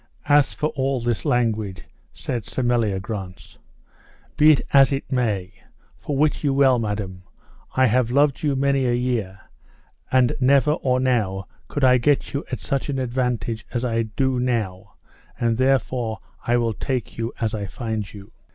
As for all this language, said Sir Meliagrance, be it as it be may, for wit you well, madam, I have loved you many a year, and never or now could I get you at such an advantage as I do now, and therefore I will take you as I find you.